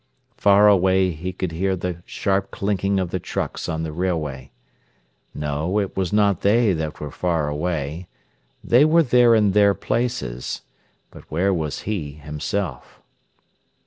Far away he could hear the sharp clinking of the trucks on the railway. No, it was not they that were far away. They were there in their places. But where was he himself?